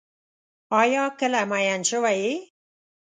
آیا کله مئین شوی یې؟